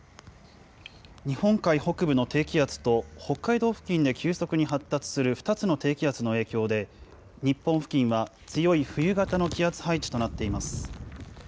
日本海北部の低気圧と北海道付近で急速に発達する２つの低気圧の影響で、日本付近は強い冬型の気圧配置となっています。